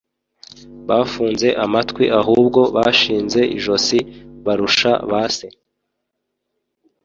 bafunze amatwi ahubwo bashinze ijosi barusha ba se